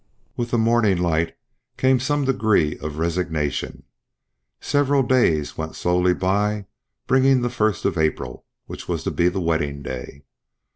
With the morning light came some degree of resignation. Several days went slowly by, bringing the first of April, which was to be the wedding day.